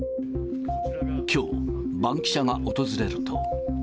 きょう、バンキシャが訪れると。